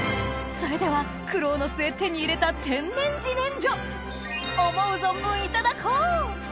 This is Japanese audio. それでは苦労の末手に入れた天然自然薯思う存分いただこう！